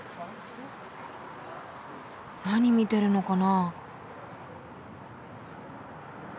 何見てるのかな？